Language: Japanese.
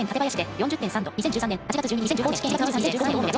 ２０１３年８月１２日高知県。